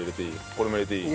これも入れていい？